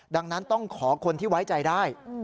ดังนั้นต้องขอคนที่ไว้ใจได้